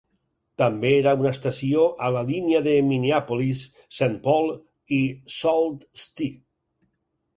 També era una estació a la línia de Minneapolis, Saint Paul i Sault Ste.